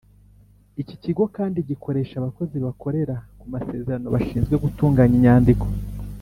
Iki kigo kandi gikoresha abakozi bakorera ku masezerano bashinzwe gutunganya inyandiko